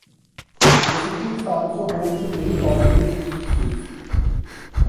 The city is also home to many colleges and institutes.